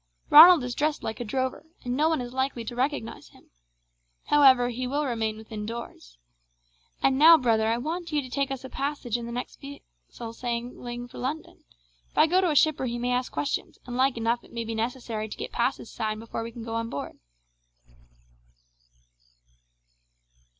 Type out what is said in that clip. Ronald is dressed like a drover, and no one is likely to recognize him. However, he will remain within doors. And now, brother, I want you to take us a passage in the next vessel sailing for London. If I go to a shipper he may ask questions, and like enough it may be necessary to get passes signed before we can go on board."